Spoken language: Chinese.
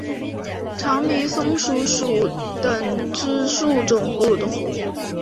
长鼻松鼠属等之数种哺乳动物。